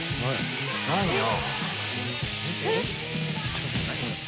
何よ？